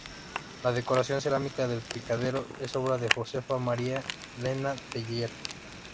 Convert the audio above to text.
La decoración cerámica del picadero es obra de Josefa María Lena de Terry.